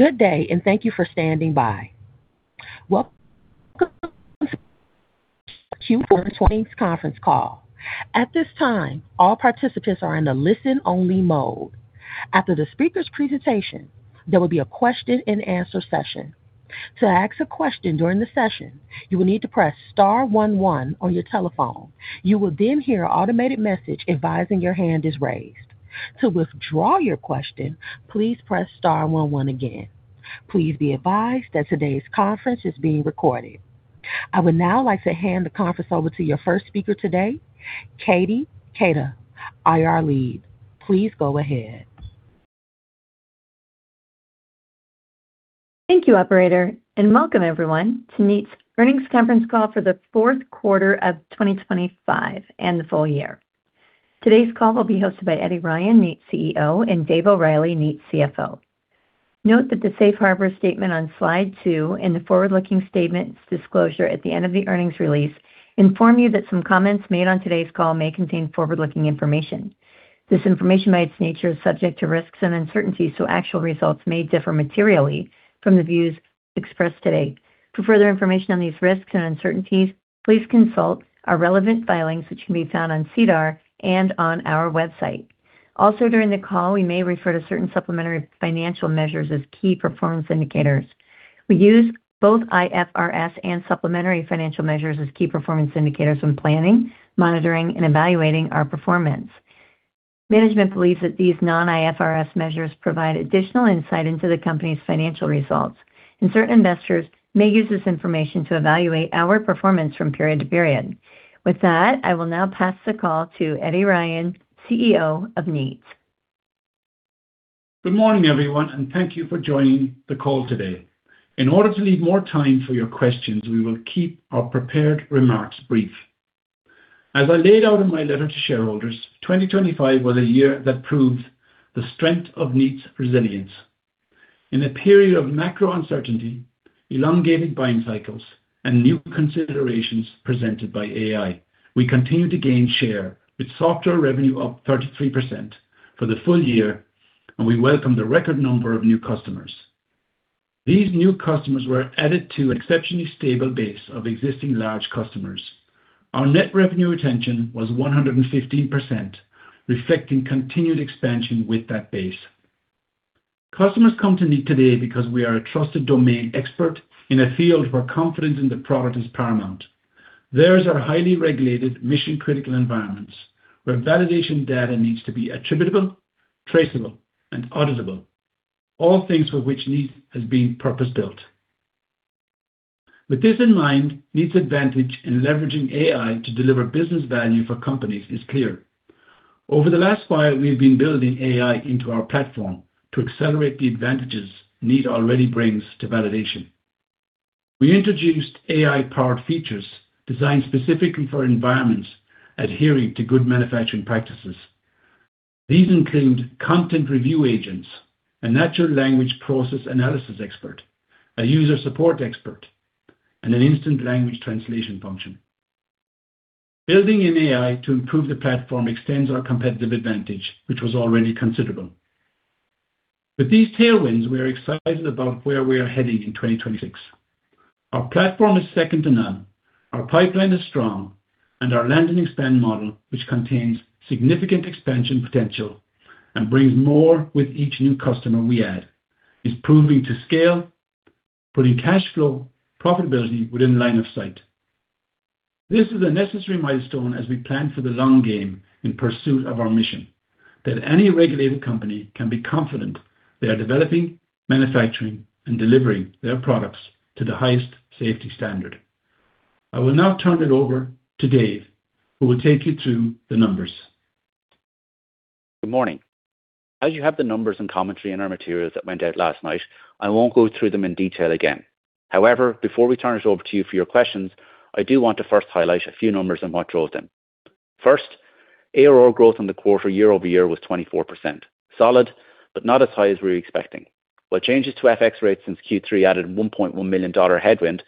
Good day, and thank you for standing by. Welcome to Q4 20 conference call. At this time, all participants are in a listen-only mode. After the speaker's presentation, there will be a question and answer session. To ask a question during the session, you will need to press star one one on your telephone. You will then hear an automated message advising your hand is raised. To withdraw your question, please press star one one again. Please be advised that today's conference is being recorded. I would now like to hand the conference over to your first speaker today, Katie Keita, IR Lead. Please go ahead. Thank you, operator. Welcome everyone to Kneat's Earnings Conference Call for the fourth quarter of 2025 and the full year. Today's call will be hosted by Eddie Ryan, Kneat's CEO, and Dave O'Reilly, Kneat's CFO. Note that the Safe Harbor statement on slide 2 and the forward-looking statements disclosure at the end of the earnings release inform you that some comments made on today's call may contain forward-looking information. This information, by its nature, is subject to risks and uncertainties. Actual results may differ materially from the views expressed today. For further information on these risks and uncertainties, please consult our relevant filings, which can be found on SEDAR and on our website. During the call, we may refer to certain supplementary financial measures as key performance indicators. We use both IFRS and supplementary financial measures as key performance indicators when planning, monitoring, and evaluating our performance. Management believes that these non-IFRS measures provide additional insight into the company's financial results, and certain investors may use this information to evaluate our performance from period to period. With that, I will now pass the call to Eddie Ryan, CEO of Kneat.com. Good morning, everyone, and thank you for joining the call today. In order to leave more time for your questions, we will keep our prepared remarks brief. As I laid out in my letter to shareholders, 2025 was a year that proved the strength of Kneat's resilience. In a period of macro uncertainty, elongated buying cycles, and new considerations presented by AI, we continued to gain share with software revenue up 33% for the full year, and we welcomed a record number of new customers. These new customers were added to an exceptionally stable base of existing large customers. Our net revenue retention was 115%, reflecting continued expansion with that base. Customers come to Kneat today because we are a trusted domain expert in a field where confidence in the product is paramount. Theirs are highly regulated, mission-critical environments where validation data needs to be attributable, traceable, and auditable, all things for which Kneat has been purpose-built. With this in mind, Kneat's advantage in leveraging AI to deliver business value for companies is clear. Over the last while, we've been building AI into our platform to accelerate the advantages Kneat already brings to validation. We introduced AI-powered features designed specifically for environments adhering to Good Manufacturing Practices. These include content review agents, a natural language processing analysis expert, a user support expert, and an instant language translation function. Building in AI to improve the platform extends our competitive advantage, which was already considerable. With these tailwinds, we are excited about where we are heading in 2026. Our platform is second to none, our pipeline is strong, and our land and expand model, which contains significant expansion potential and brings more with each new customer we add, is proving to scale, putting cash flow profitability within line of sight. This is a necessary milestone as we plan for the long game in pursuit of our mission, that any regulated company can be confident they are developing, manufacturing, and delivering their products to the highest safety standard. I will now turn it over to Dave, who will take you through the numbers. Good morning. As you have the numbers and commentary in our materials that went out last night, I won't go through them in detail again. Before we turn it over to you for your questions, I do want to first highlight a few numbers and what drove them. First, ARR growth in the quarter year-over-year was 24%. Solid, not as high as we were expecting. While changes to FX rates since Q3 added a $1.1 million headwind,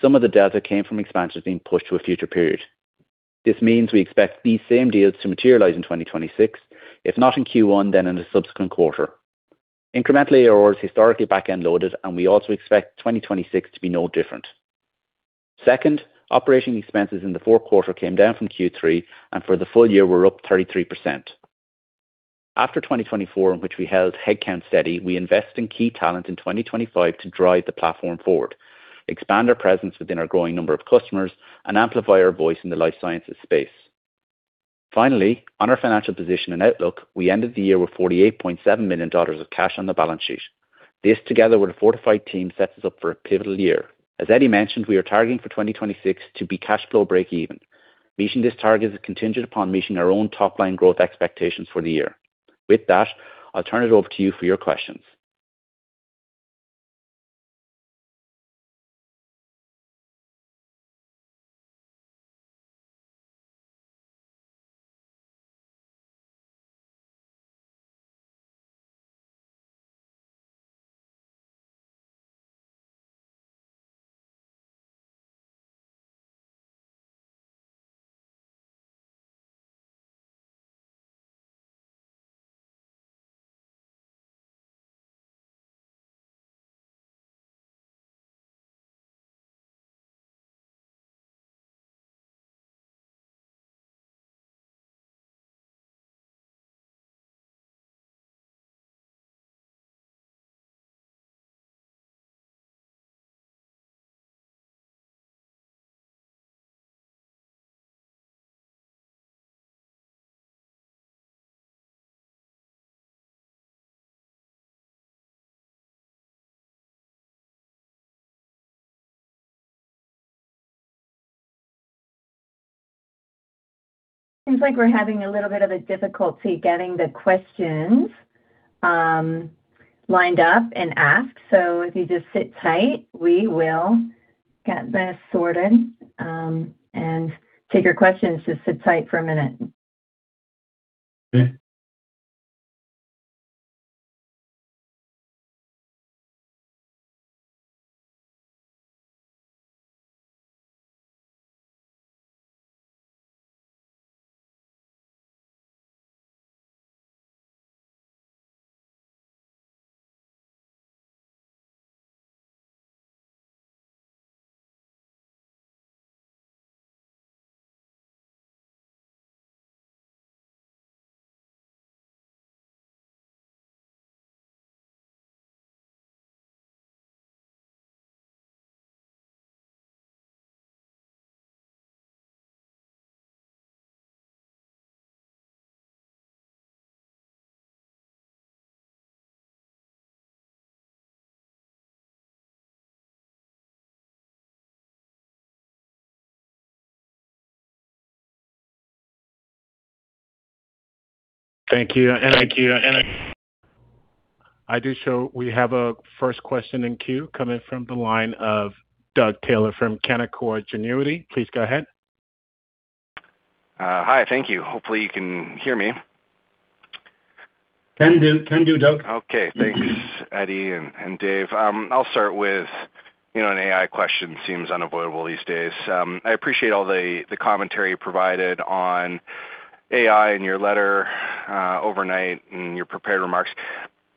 some of the delta came from expansions being pushed to a future period. This means we expect these same deals to materialize in 2026, if not in Q1, then in a subsequent quarter. Incrementally, ARR is historically back-end loaded, we also expect 2026 to be no different. Second, operating expenses in the fourth quarter came down from Q3, and for the full year, we're up 33%. After 2024, in which we held headcount steady, we invest in key talent in 2025 to drive the platform forward, expand our presence within our growing number of customers, and amplify our voice in the life sciences space. Finally, on our financial position and outlook, we ended the year with 48.7 million dollars of cash on the balance sheet. This, together with a fortified team, sets us up for a pivotal year. As Eddie mentioned, we are targeting for 2026 to be cash flow breakeven. Meeting this target is contingent upon meeting our own top-line growth expectations for the year. With that, I'll turn it over to you for your questions. ... Seems like we're having a little bit of a difficulty getting the questions, lined up and asked. If you just sit tight, we will get this sorted, and take your questions. Just sit tight for a minute. Okay. Thank you. Thank you. I do show we have a first question in queue coming from the line of Doug Taylor from Canaccord Genuity. Please go ahead. Hi. Thank you. Hopefully, you can hear me. Can do. Can do, Doug. Okay. Thanks, Eddie and Dave. I'll start with, you know, an AI question, seems unavoidable these days. I appreciate all the commentary you provided on AI in your letter overnight, in your prepared remarks.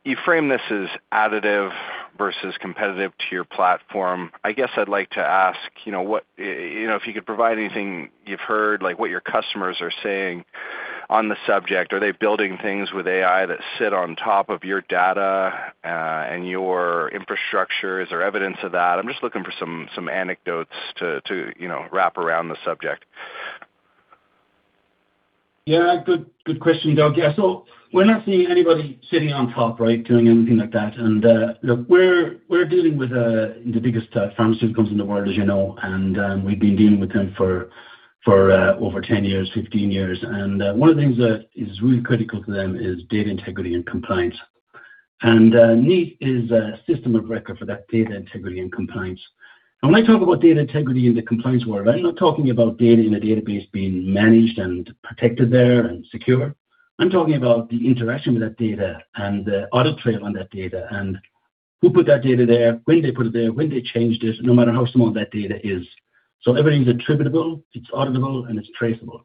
You frame this as additive versus competitive to your platform. I guess I'd like to ask, you know, if you could provide anything you've heard, like, what your customers are saying on the subject. Are they building things with AI that sit on top of your data and your infrastructure? Is there evidence of that? I'm just looking for some anecdotes to, you know, wrap around the subject. Yeah, good question, Doug. Yeah, we're not seeing anybody sitting on top, right, doing anything like that. Look, we're dealing with the biggest pharmaceutical companies in the world, as you know, and we've been dealing with them for over 10 years, 15 years. One of the things that is really critical to them is data integrity and compliance. Kneat is a system of record for that data integrity and compliance. When I talk about data integrity in the compliance world, I'm not talking about data in a database being managed and protected there and secure. I'm talking about the interaction with that data and the audit trail on that data, and who put that data there, when did they put it there, when did they change this, no matter how small that data is. Everything's attributable, it's auditable, and it's traceable.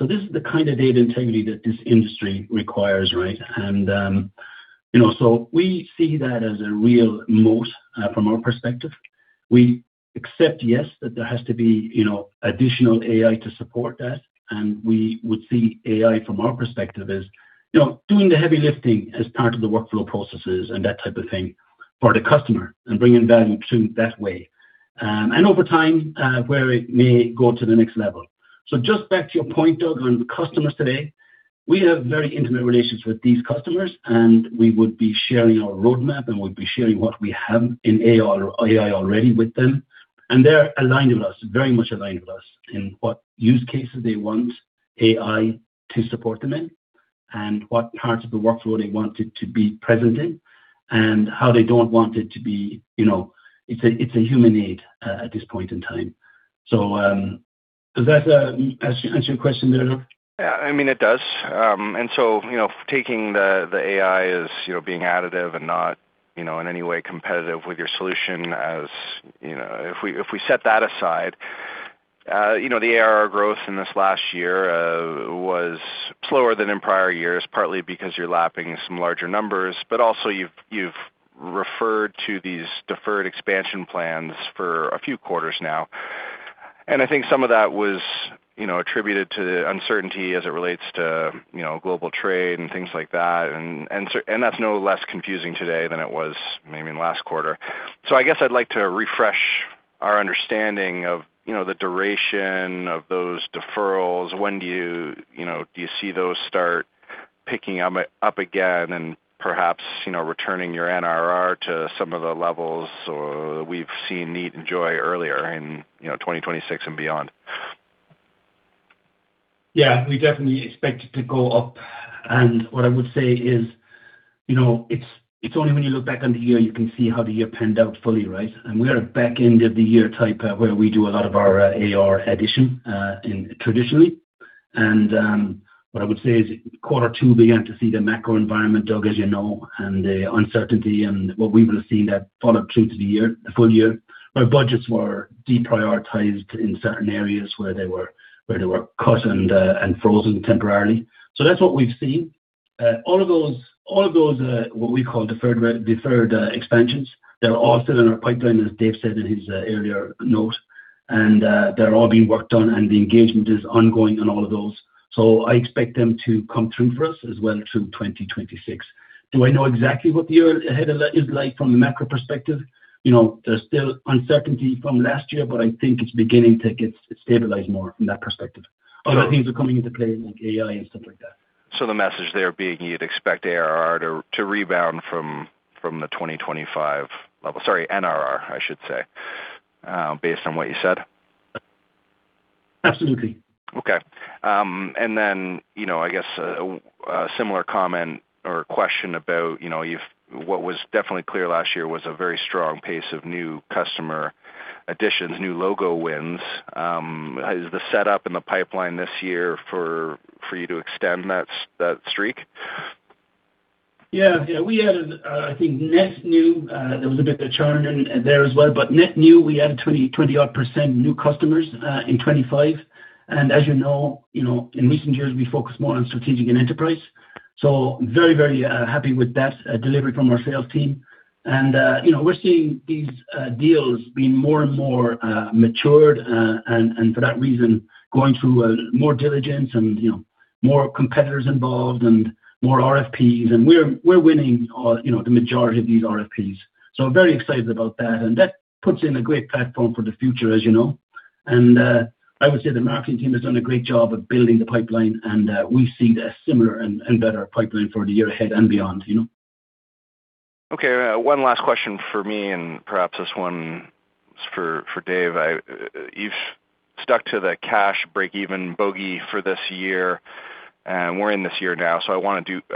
This is the kind of data integrity that this industry requires, right? You know, we see that as a real moat from our perspective. We accept, yes, that there has to be, you know, additional AI to support that, and we would see AI from our perspective as, you know, doing the heavy lifting as part of the workflow processes and that type of thing for the customer and bringing value to them that way. Over time, where it may go to the next level. Just back to your point, Doug, on customers today, we have very intimate relations with these customers, and we would be sharing our roadmap, and we'd be sharing what we have in AI or AI already with them. They're aligned with us, very much aligned with us in what use cases they want AI to support them in and what parts of the workflow they want it to be present in, and how they don't want it to be... You know, it's a human aid, at this point in time. Does that answer your question there, Doug? Yeah, I mean, it does. You know, taking the AI as, you know, being additive and not, you know, in any way competitive with your solution, as you know, if we set that aside, you know, the ARR growth in this last year was slower than in prior years, partly because you're lapping some larger numbers, but also you've referred to these deferred expansion plans for a few quarters now. I think some of that was, you know, attributed to the uncertainty as it relates to, you know, global trade and things like that. That's no less confusing today than it was maybe in the last quarter. I guess I'd like to refresh our understanding of, you know, the duration of those deferrals. When do you know, do you see those start picking up again and perhaps, you know, returning your NRR to some of the levels, or we've seen Kneat enjoy earlier in, you know, 2026 and beyond? Yeah, we definitely expect it to go up. What I would say is, you know, it's only when you look back on the year, you can see how the year panned out fully, right? We are back end of the year type, where we do a lot of our ARR addition, in traditionally. What I would say is quarter two began to see the macro environment, Doug, as you know, and the uncertainty and what we will see that follow through to the year, the full year. Our budgets were deprioritized in certain areas where they were cut and frozen temporarily. That's what we've seen. All of those, what we call deferred expansions, they're all still in our pipeline, as Dave said in his earlier note. They're all being worked on, and the engagement is ongoing on all of those. I expect them to come through for us as well through 2026. Do I know exactly what the year ahead of that is like from a macro perspective? You know, there's still uncertainty from last year, but I think it's beginning to get stabilized more from that perspective. Other things are coming into play, like AI and stuff like that. The message there being you'd expect ARR to rebound from the 2025 level, sorry, NRR, I should say, based on what you said? Absolutely. Okay. You know, I guess, a similar comment or question about, you know, what was definitely clear last year was a very strong pace of new customer additions, new logo wins. Is the setup in the pipeline this year for you to extend that streak? Yeah. We added, I think net new, there was a bit of churn in there as well, but net new, we added 20 odd percent new customers in 25. As you know, in recent years, we focused more on strategic and enterprise. Very happy with that delivery from our sales team. You know, we're seeing these deals being more matured, and for that reason, going through more diligence and, you know, more competitors involved and more RFPs, and we're winning all, you know, the majority of these RFPs. Very excited about that, and that puts in a great platform for the future, as you know. I would say the marketing team has done a great job of building the pipeline, and we see a similar and better pipeline for the year ahead and beyond, you know? Okay, one last question for me, and perhaps this one is for Dave. You've stuck to the cash break-even bogey for this year, and we're in this year now, so I wanna give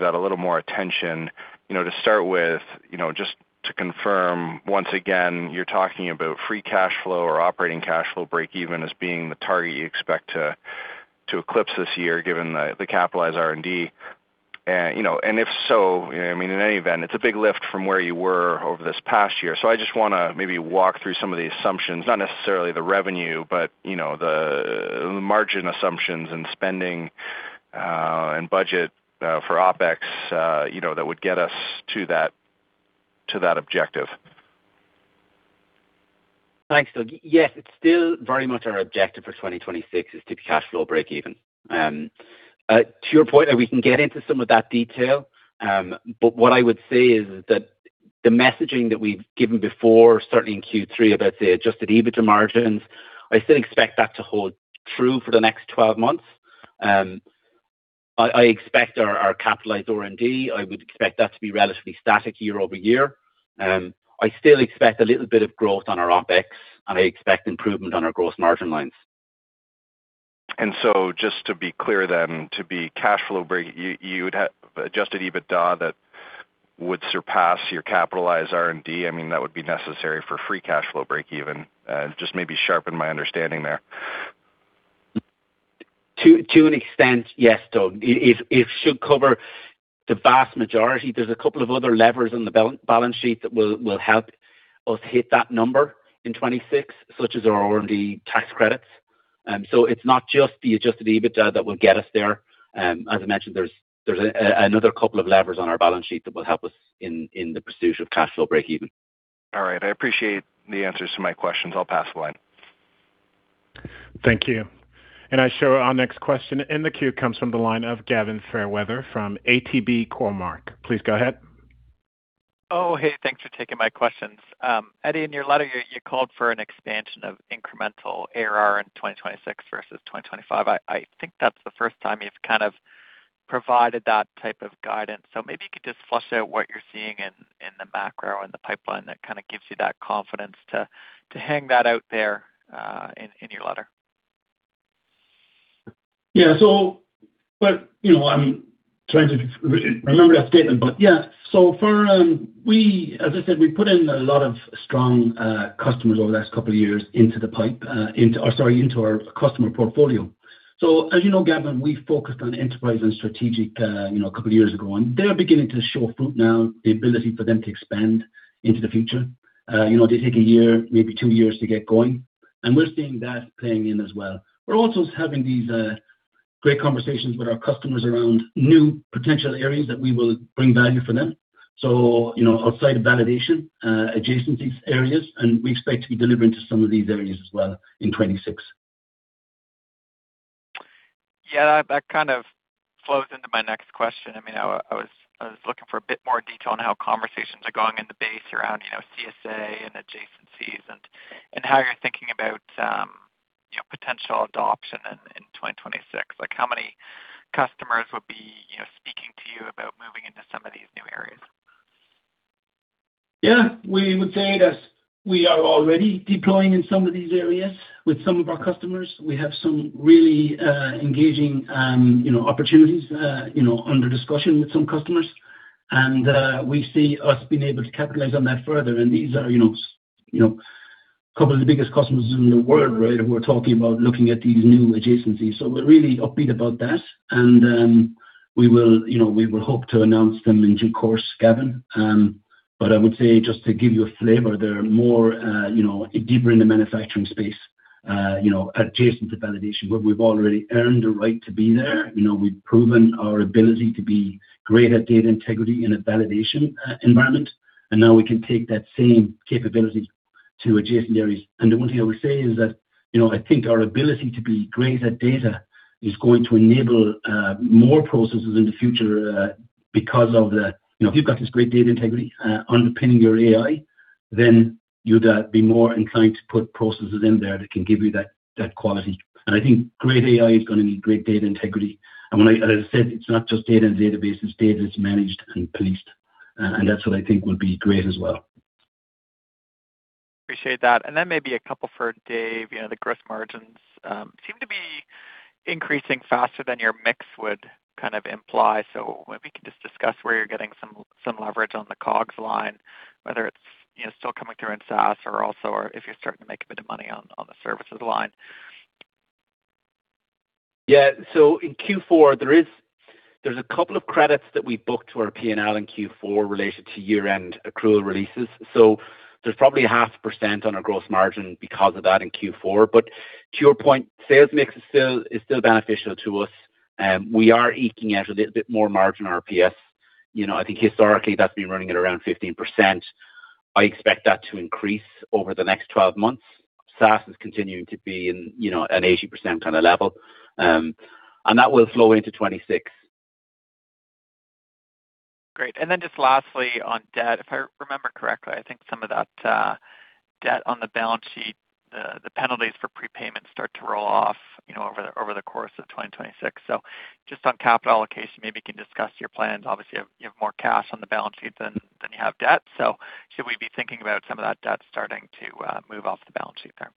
that a little more attention. You know, to start with, you know, just to confirm once again, you're talking about free cash flow or operating cash flow break even as being the target you expect to eclipse this year, given the capitalized R&D. You know, and if so, you know, I mean, in any event, it's a big lift from where you were over this past year. I just wanna maybe walk through some of the assumptions, not necessarily the revenue, but you know, the margin assumptions and spending, and budget for OpEx, you know, that would get us to that objective. Thanks, Doug. Yes, it's still very much our objective for 2026 is to be cash flow break even. To your point, we can get into some of that detail, but what I would say is that the messaging that we've given before, certainly in Q3, about the Adjusted EBITDA margins, I still expect that to hold true for the next 12 months. I expect our capitalized R&D, I would expect that to be relatively static year over year. I still expect a little bit of growth on our OpEx, and I expect improvement on our gross margin lines. just to be clear then, to be cash flow break, you would have Adjusted EBITDA that would surpass your capitalized R&D. I mean, that would be necessary for free cash flow break even. just maybe sharpen my understanding there? To an extent, yes, Doug. It should cover the vast majority. There's a couple of other levers on the balance sheet that will help us hit that number in 2026, such as our R&D tax credits. It's not just the Adjusted EBITDA that will get us there. As I mentioned, there's another couple of levers on our balance sheet that will help us in the pursuit of cash flow break even. All right, I appreciate the answers to my questions. I'll pass the line. Thank you. I show our next question in the queue comes from the line of Gavin Fairweather from ATB Cormark. Please go ahead. Hey, thanks for taking my questions. Eddie, in your letter, you called for an expansion of incremental ARR in 2026 versus 2025. I think that's the first time you've kind of provided that type of guidance. Maybe you could just flush out what you're seeing in the macro and the pipeline that kind of gives you that confidence to hang that out there in your letter. You know, I'm trying to remember that statement, but yeah. For, as I said, we put in a lot of strong customers over the last couple of years into the pipe, into our customer portfolio. As you know, Gavin, we focused on enterprise and strategic, you know, a couple of years ago, and they are beginning to show fruit now, the ability for them to expand into the future. You know, they take a year, maybe two years to get going, and we're seeing that playing in as well. We're also having these great conversations with our customers around new potential areas that we will bring value for them. You know, outside of validation, adjacencies areas, and we expect to be delivering to some of these areas as well in 2026. Yeah, that kind of flows into my next question. I mean, I was looking for a bit more detail on how conversations are going in the base around, you know, CSA and adjacencies and how you're thinking about, you know, potential adoption in 2026. Like, how many customers would be, you know, speaking to you about moving into some of these new areas? Yeah. We would say that we are already deploying in some of these areas with some of our customers. We have some really, engaging, you know, opportunities, you know, under discussion with some customers. We see us being able to capitalize on that further. These are, you know, couple of the biggest customers in the world, right? Who are talking about looking at these new adjacencies. We're really upbeat about that, we will, you know, we will hope to announce them in due course, Gavin. I would say, just to give you a flavor, there are more, you know, deeper in the manufacturing space, you know, adjacent to validation, where we've already earned the right to be there. You know, we've proven our ability to be great at data integrity in a validation environment. Now we can take that same capability to adjacent areas. The one thing I would say is that, you know, I think our ability to be great at data is going to enable more processes in the future, because of the... You know, if you've got this great data integrity underpinning your AI, then you'd be more inclined to put processes in there that can give you that quality. I think great AI is gonna need great data integrity. As I said, it's not just data and databases, data is managed and policed, and that's what I think will be great as well. Appreciate that. Maybe a couple for Dave. You know, the gross margins seem to be increasing faster than your mix would kind of imply. Maybe you can just discuss where you're getting some leverage on the COGS line, whether it's, you know, still coming through in SaaS or also, or if you're starting to make a bit of money on the services line. In Q4, there's a couple of credits that we booked to our P&L in Q4 related to year-end accrual releases. There's probably a half percent on our gross margin because of that in Q4. To your point, sales mix is still beneficial to us. We are eking out a little bit more margin basis points. You know, I think historically, that's been running at around 15%. I expect that to increase over the next 12 months. SaaS is continuing to be in, you know, an 80% kind of level, and that will flow into 2026. Great. Just lastly, on debt, if I remember correctly, I think some of that debt on the balance sheet, the penalties for prepayment start to roll off, you know, over the course of 2026. Just on capital allocation, maybe you can discuss your plans. Obviously, you have more cash on the balance sheet than you have debt. Should we be thinking about some of that debt starting to move off the balance sheet there?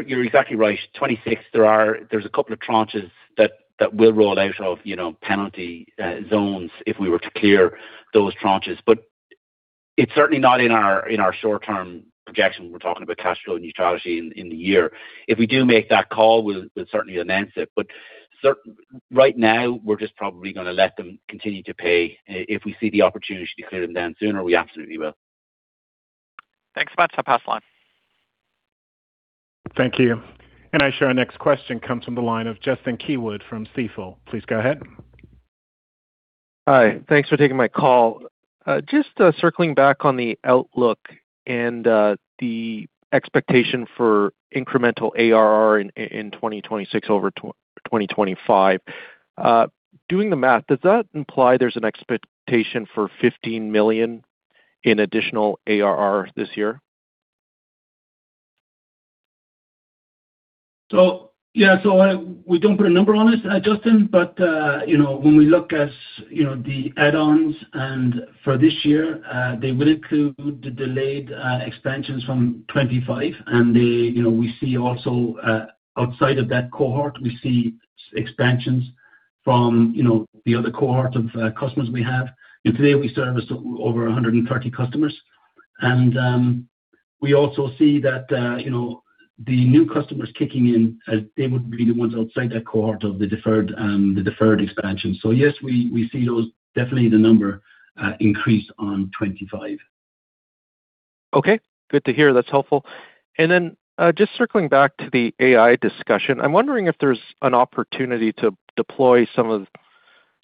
You're exactly right. 26, there's a couple of tranches that will roll out of, you know, penalty zones if we were to clear those tranches. It's certainly not in our short-term projection. We're talking about cash flow neutrality in the year. If we do make that call, we'll certainly announce it. Right now, we're just probably gonna let them continue to pay. If we see the opportunity to clear them down sooner, we absolutely will. Thanks so much. I'll pass the line. Thank you. Our next question comes from the line of Justin Keywood from Stifel. Please go ahead. Hi, thanks for taking my call. Just circling back on the outlook and the expectation for incremental ARR in 2026 over 2025. Doing the math, does that imply there's an expectation for 15 million in additional ARR this year? Yeah, we don't put a number on it, Justin, but, you know, when we look at, you know, the add-ons and for this year, they will include the delayed expansions from 2025. You know, we see also outside of that cohort, we see expansions from, you know, the other cohort of customers we have. Today, we service over 130 customers. We also see that, you know, the new customers kicking in as they would be the ones outside that cohort of the deferred, the deferred expansion. Yes, we see those, definitely the number increase on 2025. Okay, good to hear. That's helpful. just circling back to the AI discussion, I'm wondering if there's an opportunity to deploy some of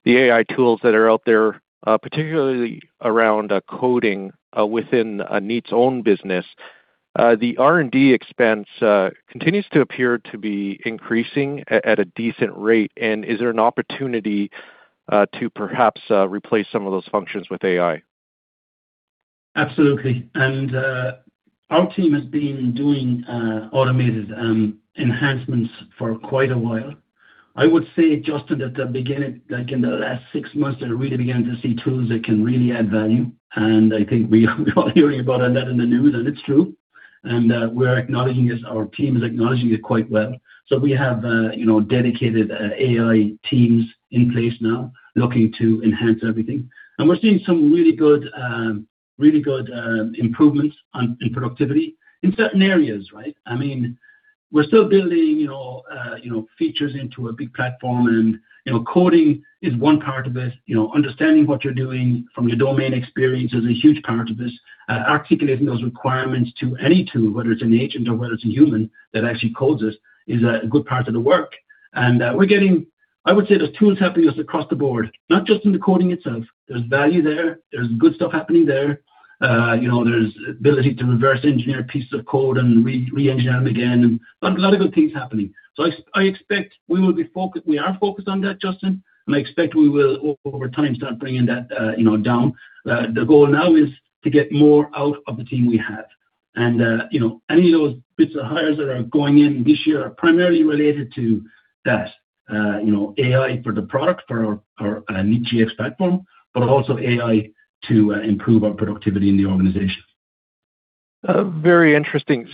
the AI tools that are out there, particularly around coding within Kneat's own business. The R&D expense continues to appear to be increasing at a decent rate, is there an opportunity to perhaps replace some of those functions with AI? Absolutely. Our team has been doing automated enhancements for quite a while. I would say, Justin, at the beginning, like in the last 6 months, they're really beginning to see tools that can really add value. I think we are all hearing about that in the news, and it's true. We're acknowledging it. Our team is acknowledging it quite well. We have, you know, dedicated AI teams in place now, looking to enhance everything. We're seeing some really good, really good improvements on, in productivity in certain areas, right? I mean, we're still building, you know, features into a big platform and, you know, coding is one part of it. You know, understanding what you're doing from your domain experience is a huge part of this. Articulating those requirements to any tool, whether it's an agent or whether it's a human that actually codes this, is a good part of the work. I would say there's tools helping us across the board, not just in the coding itself. There's value there. There's good stuff happening there. You know, there's ability to reverse engineer pieces of code and reengineer them again, and lot of good things happening. I expect we will be focused on that, Justin, and I expect we will over time, start bringing that, you know, down. The goal now is to get more out of the team we have. You know, any of those bits of hires that are going in this year are primarily related to that, you know, AI for the product, for our Kneat Gx platform, but also AI to improve our productivity in the organization. Very interesting.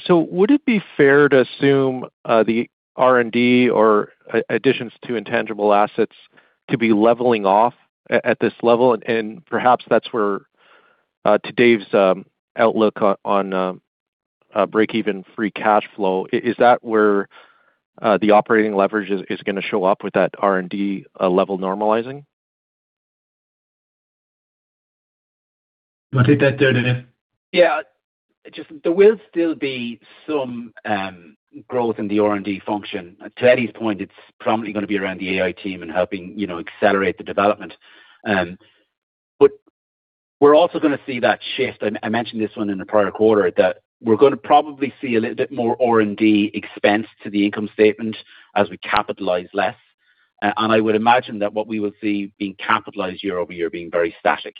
Would it be fair to assume, the R&D or additions to intangible assets to be leveling off at this level, and perhaps that's where... to Dave's outlook on breakeven free cash flow, is that where the operating leverage is gonna show up with that R&D level normalizing? You wanna take that there, David? Yeah. Just there will still be some growth in the R&D function. To Eddie's point, it's probably gonna be around the AI team and helping, you know, accelerate the development. We're also gonna see that shift, and I mentioned this one in the prior quarter, that we're gonna probably see a little bit more R&D expense to the income statement as we capitalize less. I would imagine that what we will see being capitalized year-over-year, being very static.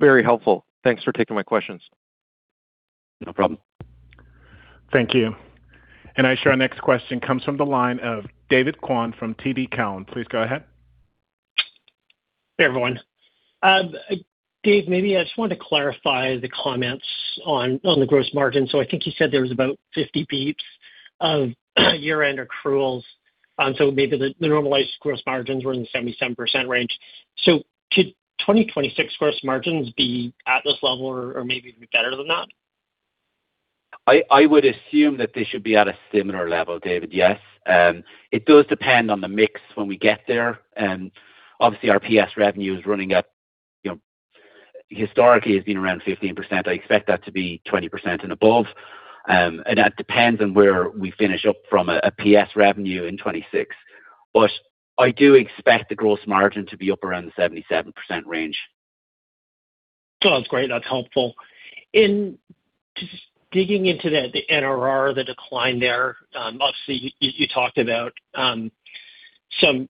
Very helpful. Thanks for taking my questions. No problem. Thank you. I show our next question comes from the line of David Kwan from TD Cowen. Please go ahead. Hey, everyone. Dave, maybe I just want to clarify the comments on the gross margin. I think you said there was about 50 basis points of year-end accruals. Maybe the normalized gross margins were in the 77% range. Could 2026 gross margins be at this level or maybe even better than that? I would assume that they should be at a similar level, David. Yes. It does depend on the mix when we get there. Obviously, our PS revenue is running at, you know, historically, has been around 15%. I expect that to be 20% and above. And that depends on where we finish up from a PS revenue in 2026. I do expect the gross margin to be up around the 77% range. Sounds great. That's helpful. In just digging into the NRR, the decline there, obviously, you talked about some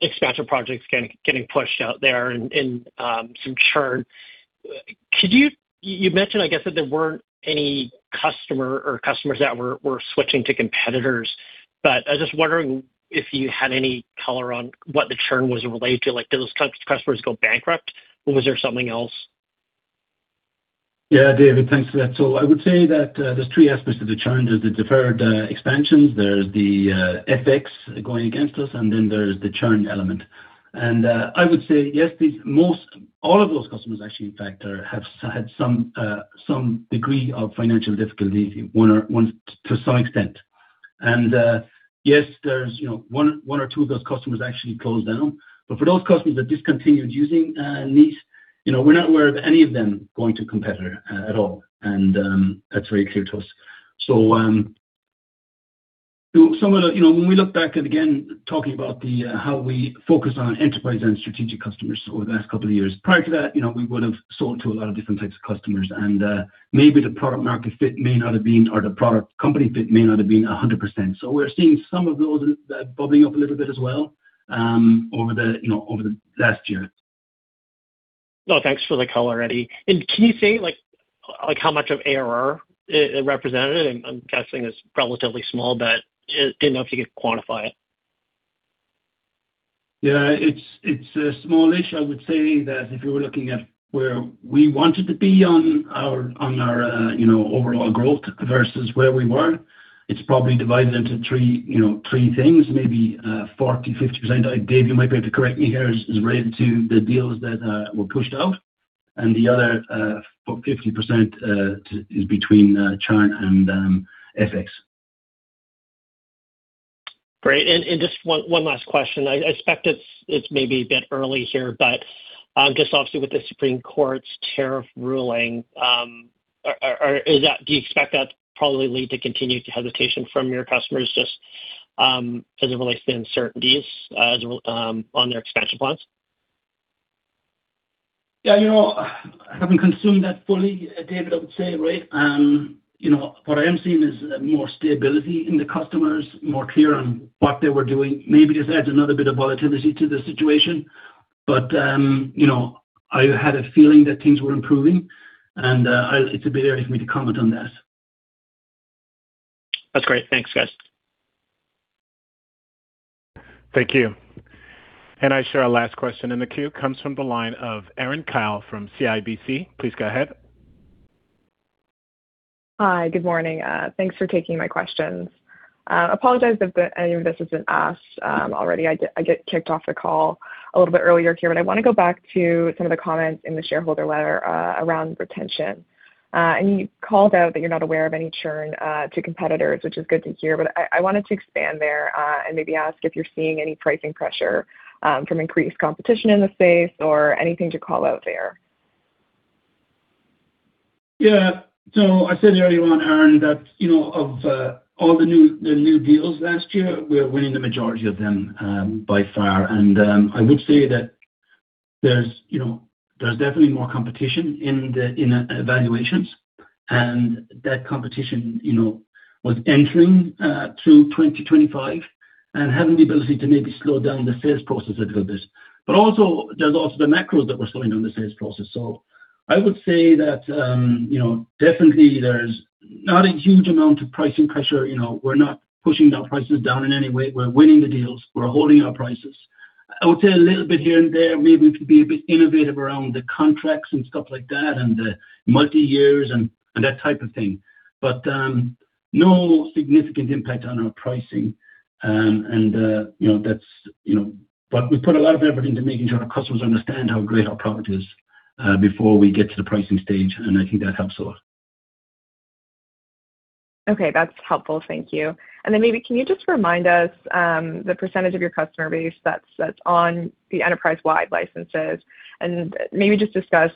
expansion projects getting pushed out there and some churn. Could you? You mentioned, I guess, that there weren't any customers that were switching to competitors, but I was just wondering if you had any color on what the churn was related to? Like, did those customers go bankrupt, or was there something else? Yeah, David, thanks for that. I would say that there's three aspects to the churn. There's the deferred expansions, there's the FX going against us, and then there's the churn element. I would say, yes, all of those customers actually, in fact, have had some degree of financial difficulty, one to some extent. Yes, there's, you know, one or two of those customers actually closed down. But for those customers that discontinued using Kneat, you know, we're not aware of any of them going to competitor at all. That's very clear to us. You know, when we look back at, again, talking about the how we focus on enterprise and strategic customers over the last couple of years. Prior to that, you know, we would have sold to a lot of different types of customers, and maybe the product market fit may not have been, or the product company fit may not have been 100%. We're seeing some of those bubbling up a little bit as well, over the, you know, over the last year. Well, thanks for the color, Eddie. Can you say, like, how much of ARR it represented? I'm guessing it's relatively small, but didn't know if you could quantify it. Yeah, it's a small issue. I would say that if you were looking at where we wanted to be on our, you know, overall growth versus where we were, it's probably divided into three, you know, three things, maybe, 40%, 50%, Dave, you might be able to correct me here, is related to the deals that were pushed out, and the other 50% to, is between churn and FX. Great. Just one last question. I suspect it's maybe a bit early here, but, just obviously with the Supreme Court's tariff ruling, do you expect that to probably lead to continued hesitation from your customers just, as it relates to uncertainties, as well, on their expansion plans? You know, I haven't consumed that fully, David, I would say, right? You know, what I am seeing is more stability in the customers, more clear on what they were doing. Maybe this adds another bit of volatility to the situation, but, you know, I had a feeling that things were improving, and, It's a bit early for me to comment on that. That's great. Thanks, guys. Thank you. I show our last question in the queue comes from the line of Erin Kyle from CIBC. Please go ahead. Hi. Good morning. Thanks for taking my questions. Apologize if any of this has been asked already. I got kicked off the call a little bit earlier here. I wanna go back to some of the comments in the shareholder letter around retention. You called out that you're not aware of any churn to competitors, which is good to hear, but I wanted to expand there and maybe ask if you're seeing any pricing pressure from increased competition in the space or anything to call out there. Yeah. I said earlier on, Erin, that, you know, of all the new deals last year, we are winning the majority of them by far. I would say that there's, you know, there's definitely more competition in the evaluations. That competition, you know, was entering through 2025 and having the ability to maybe slow down the sales process a little bit. Also, there's also the macros that were slowing down the sales process. I would say that, you know, definitely there's not a huge amount of pricing pressure. You know, we're not pushing our prices down in any way. We're winning the deals. We're holding our prices. I would say a little bit here and there, maybe we could be a bit innovative around the contracts and stuff like that, and the multiyears and that type of thing. No significant impact on our pricing. You know, that's, you know. We put a lot of effort into making sure our customers understand how great our product is before we get to the pricing stage, and I think that helps a lot. Okay, that's helpful. Thank you. Maybe can you just remind us, the percentage of your customer base that's on the enterprise-wide licenses, and maybe just discuss,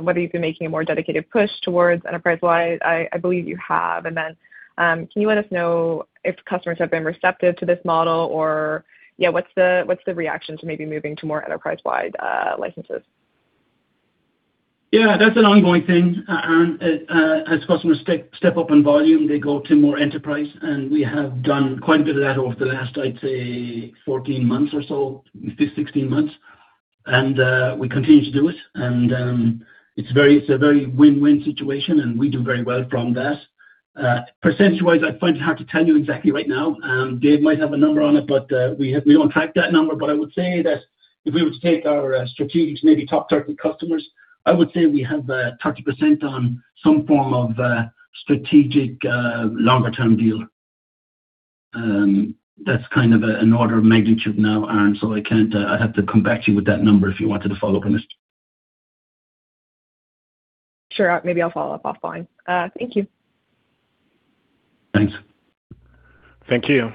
whether you've been making a more dedicated push towards enterprise-wide? I believe you have. Can you let us know if customers have been receptive to this model or, yeah, what's the reaction to maybe moving to more enterprise-wide licenses? Yeah, that's an ongoing thing, Erin. As customers step up in volume, they go to more enterprise, and we have done quite a bit of that over the last, I'd say, 14 months or so, 16 months. We continue to do it. It's very, it's a very win-win situation, and we do very well from that. Percentage-wise, I find it hard to tell you exactly right now. Dave might have a number on it, but we don't track that number. I would say that if we were to take our strategic, maybe top 30 customers, I would say we have 30% on some form of strategic, longer-term deal. That's kind of an order of magnitude now, Ann, so I can't, I'd have to come back to you with that number if you wanted to follow up on this. Sure. Maybe I'll follow up offline. Thank you. Thanks. Thank you.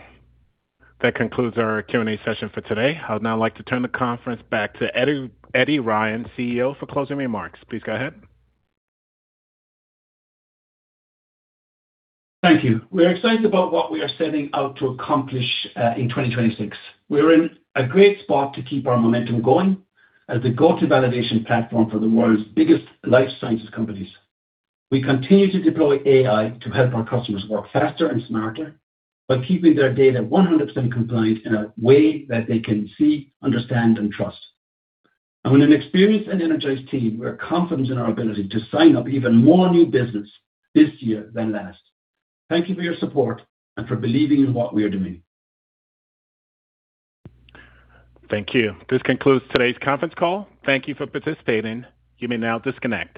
That concludes our Q&A session for today. I'd now like to turn the conference back to Eddie Ryan, CEO, for closing remarks. Please go ahead. Thank you. We are excited about what we are setting out to accomplish in 2026. We are in a great spot to keep our momentum going as the go-to validation platform for the world's biggest life sciences companies. We continue to deploy AI to help our customers work faster and smarter by keeping their data 100% compliant in a way that they can see, understand, and trust. With an experienced and energized team, we're confident in our ability to sign up even more new business this year than last. Thank you for your support and for believing in what we are doing. Thank you. This concludes today's conference call. Thank you for participating. You may now disconnect.